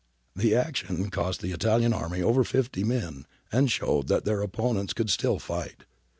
The action cost the Italian army over fifty men and showed that their opponents could still fight.